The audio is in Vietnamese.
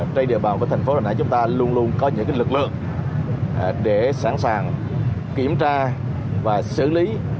trên địa bàn của thành phố đà nẵng chúng ta luôn luôn có những lực lượng để sẵn sàng kiểm tra và xử lý